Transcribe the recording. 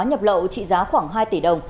nhập lậu trị giá khoảng hai tỷ đồng